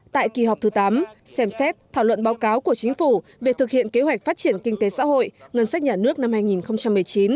tại kỳ họp thứ tám xem xét thảo luận báo cáo của chính phủ về thực hiện kế hoạch phát triển kinh tế xã hội ngân sách nhà nước năm hai nghìn một mươi chín